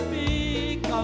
kada nepi kau